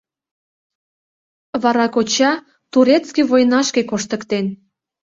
Вара коча турецкий войнашке коштыктен.